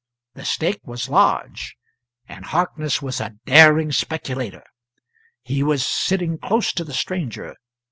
The stake was large, and Harkness was a daring speculator. He was sitting close to the stranger.